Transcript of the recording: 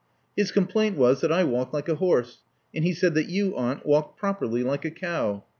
His complaint was that I walked like a horse; and he said that you, aunt, walked properly, like a cow.